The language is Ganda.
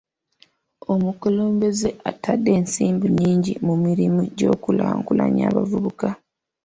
Omukulembeze atadde ensimbi nnyingi mu mirimu gy'okukulaakulanya abavubuka.